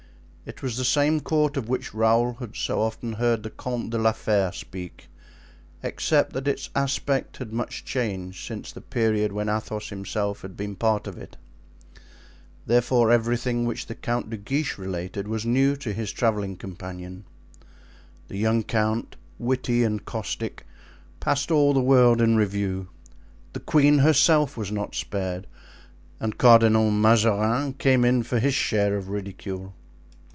It was the same court of which Raoul had so often heard the Comte de la Fere speak, except that its aspect had much changed since the period when Athos had himself been part of it; therefore everything which the Count de Guiche related was new to his traveling companion. The young count, witty and caustic, passed all the world in review; the queen herself was not spared, and Cardinal Mazarin came in for his share of ridicule.